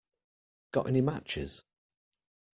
Got any matches?